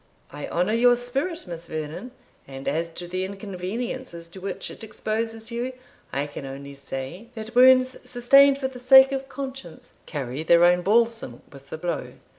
"I honour your spirit, Miss Vernon; and as to the inconveniences to which it exposes you, I can only say, that wounds sustained for the sake of conscience carry their own balsam with the blow."